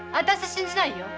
信じないよ！